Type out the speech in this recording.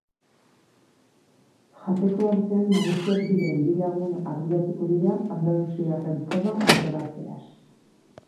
Jateko artean maisuak diren bi lagun arduratuko dira andaluziarren proba antolatzeaz.